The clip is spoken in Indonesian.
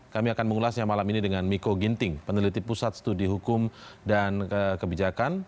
kami akan mengulasnya malam ini dengan miko ginting peneliti pusat studi hukum dan kebijakan